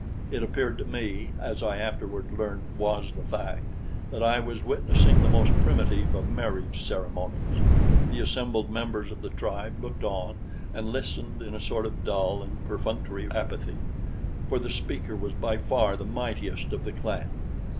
It appeared to me, as I afterward learned was the fact, that I was witnessing the most primitive of marriage ceremonies. The assembled members of the tribe looked on and listened in a sort of dull and perfunctory apathy, for the speaker was by far the mightiest of the clan.